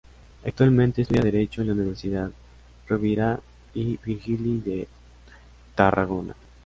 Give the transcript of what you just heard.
Actualmente estudia Derecho en la Universitat Rovira i Virgili de Tarragona.